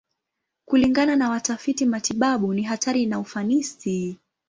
Kulingana na watafiti matibabu, ni hatari na ufanisi.